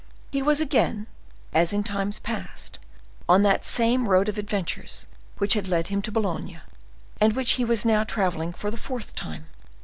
He was again, as in times past, on that same road of adventures which had led him to Boulogne, and which he was now traveling for the fourth time.